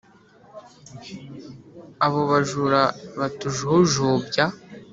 Abo bajura batujujubya